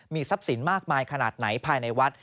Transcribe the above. ทรัพย์สินมากมายขนาดไหนภายในวัด